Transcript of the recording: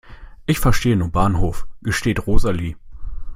"Ich verstehe nur Bahnhof", gesteht Rosalie.